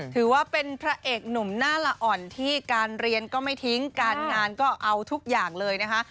ถือว่าเป็นพระเอกหนุ่มหน้าละอ่อนที่การเรียนก็ไม่ทิ้งการงานก็เอาทุกอย่างเลยนะคะ